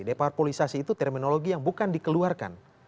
depar polisasi itu terminologi yang bukan dikeluarkan